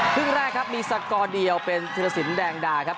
ครึ่งแรกครับมีสกอร์เดียวเป็นธิรสินแดงดาครับ